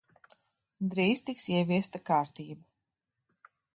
Drīz tiks ieviesta kārtība.